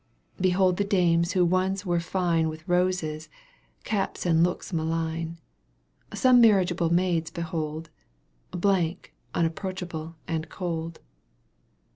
Behold the dames who once were fine With roses, caps and looks malign ; Some marriageable maids behold, Blank, unapproachable and cold.